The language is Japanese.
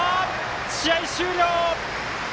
試合終了！